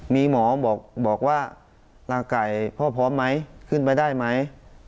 มีหมอบอกว่าร่างกายพ่อพร้อมไหมขึ้นไปได้ไหม